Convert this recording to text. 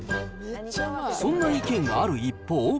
そんな意見がある一方。